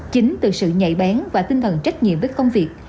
chính từ sự nhạy bén và tinh thần trách nhiệm với công việc